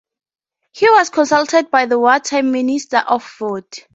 He was consulted by the war time Minister of Food.